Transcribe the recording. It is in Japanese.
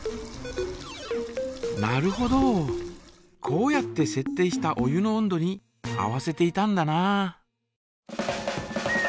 こうやってせっ定したお湯の温度に合わせていたんだな。